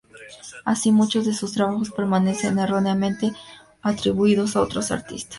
Así, muchos de su trabajos permanecen erróneamente atribuidos a otros artistas.